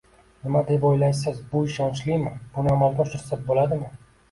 Nima deb oʻylaysiz, bu ishonchlimi, buni amalga oshirsa boʻladimi?